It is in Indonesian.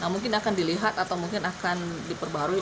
mungkin akan dilihat atau mungkin akan diperbarui